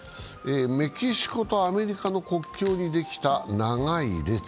メキシコとアメリカの国境にできた長い列。